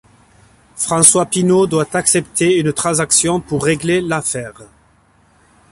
François Pinault doit accepter une transaction pour régler l’affaire.